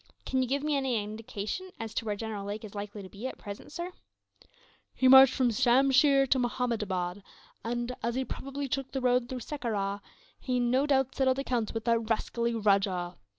"Can you give me any indication as to where General Lake is likely to be, at present, sir?" "He marched from Shamsheer to Mahomedabad and, as he probably took the road through Sekerah, he no doubt settled accounts with that rascally rajah.